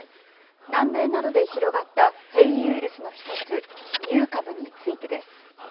南米などで広がった変異ウイルスの１つ、ミュー株についてです。